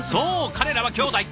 彼らは兄弟。